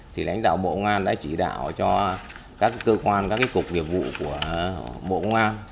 thì lãnh đạo bộ ngoan đã chỉ đạo cho các cơ quan các cục nghiệp vụ của bộ công an